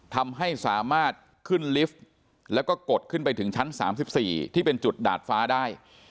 ทำให้สามารถขึ้นลิฟต์แล้วก็กดขึ้นไปถึงชั้น๓๔ที่เป็นจุดดาดฟ้าได้